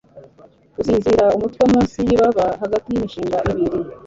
gusinzira, umutwe munsi yibaba, hagati yimishinga ibiri